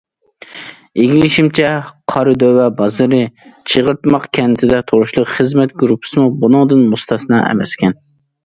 ئىگىلىشىمچە، قارادۆۋە بازىرى چىغىرتماق كەنتىدە تۇرۇشلۇق خىزمەت گۇرۇپپىسىمۇ بۇنىڭدىن مۇستەسنا ئەمەسكەن.